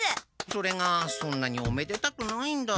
それがそんなにおめでたくないんだ。